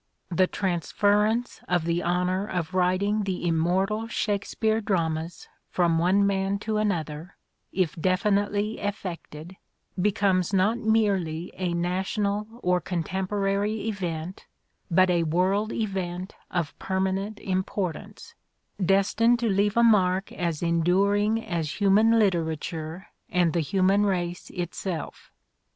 The transference of the honour of writing the immortal Shakespeare dramas from one man to another, if definitely effected, becomes not merely a national or contemporary event, but a world event of permanent importance, destined to leave a mark as enduring as human literature and the human race itself.